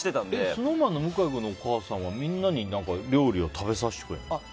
ＳｎｏｗＭａｎの向井君のお母さんはみんなに料理を食べさせてくれるの？